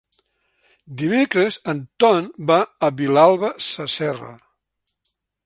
Dimecres en Ton va a Vilalba Sasserra.